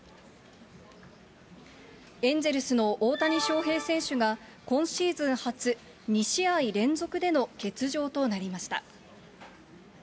エンゼルスの大谷翔平選手が今シーズン初、２試合連続での欠場となりました。